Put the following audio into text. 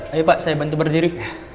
ayo pak saya bantu berdiri